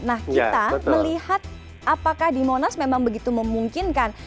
nah kita melihat apakah di monas memang begitu memungkinkan